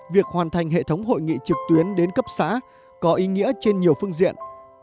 việc hoàn thành hệ thống hội nghị trực tuyến đến cấp xã có ý nghĩa trên nhiều phương diện